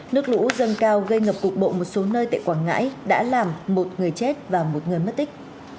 nước lũ dâng cao gây ngập cục bộ một số nơi tại quảng ngãi đã làm một người chết và một người mất tích